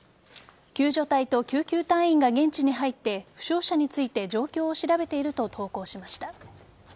救助隊と救急隊員が現地に入って負傷者について状況を調べていると投稿しました。